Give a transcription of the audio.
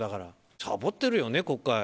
サボってるよね、国会。